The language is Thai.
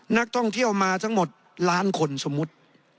นักท่องเที่ยวมาทั้งหมดล้านคนสมมุติ